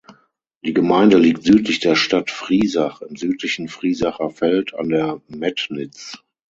Die Gemeinde liegt südlich der Stadt Friesach im südlichen Friesacher Feld an der Metnitz.